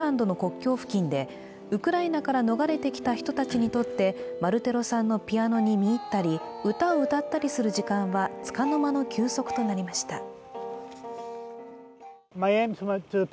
ここはウクライナとポーランドの国境付近でウクライナから逃れてきた人たちにとって、マルテロさんのピアノに見入ったり歌を歌ったりする時間はつかの間の休息となりました。